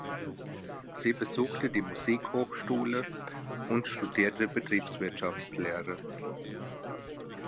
Sie besuchte die Musikhochschule und studierte Betriebswirtschaftslehre.